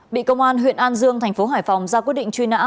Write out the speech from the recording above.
bị công an huyện an dương tp hải phòng ra quyết định truy nã